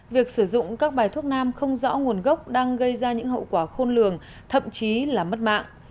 việc sử dụng các bài thuốc nam không rõ nguồn gốc đang gây ra những hậu quả khôn lường thậm chí là mất mạng